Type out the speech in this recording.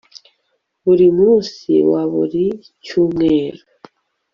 buri munsi wa buri cyumweru